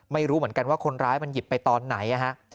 ไม่รู้เหมือนกันว่าคนร้ายมันหยิบไปตอนไหน